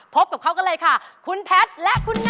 พบกับเขากันเลยค่ะคุณแพทย์และคุณ